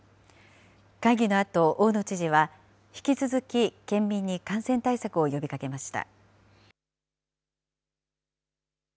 会議のあと大野知事は引き続き県民に感染対策を呼びかけました。